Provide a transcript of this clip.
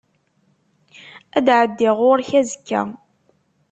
Ad d-εeddiɣ ɣur-k azekka?